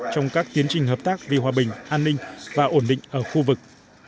trong các tiến trình hợp tác vì hòa bình an ninh và ổn định ở khu vực